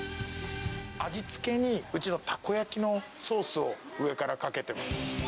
味付けにうちのタコ焼きのソースを上からかけてます。